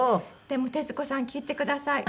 でも徹子さん聞いてください。